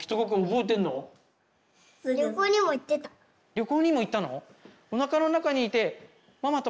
旅行にも行ったの？